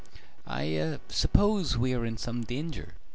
"I suppose we are in some danger?"